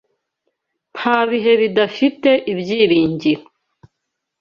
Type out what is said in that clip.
Nta bihe bidafite ibyiringiro.